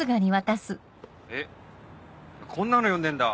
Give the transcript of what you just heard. えっこんなの読んでんだ。